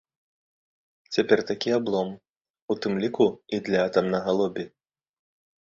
Цяпер такі аблом, у тым ліку і для атамнага лобі!